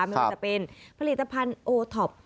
ไม่ว่าจะเป็นผลิตภัณฑ์โอท็อป